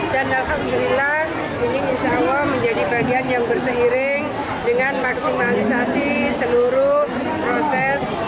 dan alhamdulillah ini usaha menjadi bagian yang berseiring dengan maksimalisasi seluruh proses